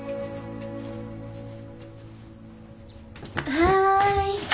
はい。